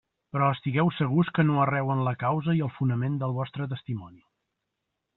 Però estigueu segurs que no erreu en la causa i el fonament del vostre Testimoni.